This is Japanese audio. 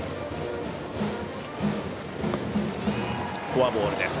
フォアボールです。